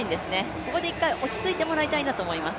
ここで一回落ち着いてもらいたいなと思います。